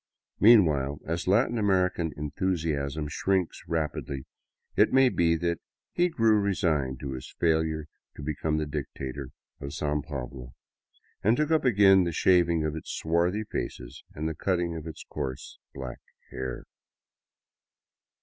Meanwhile, as Latin American enthusiasm shrinks rapidly, it may be that he grew resigned to his failure to become the dic tator of San Pablo and took up again the shaving of its swarthy faces and the cutting of its coarse, black hair.